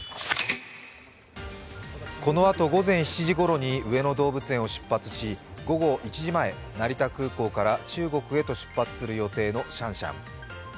このあと午前７時ごろに上野動物園を出発し午後１時前、成田空港から中国へと出発する予定のシャンシャン。